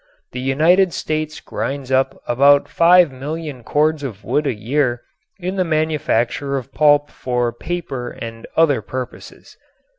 The United States grinds up about five million cords of wood a year in the manufacture of pulp for paper and other purposes.